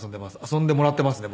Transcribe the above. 遊んでもらっていますね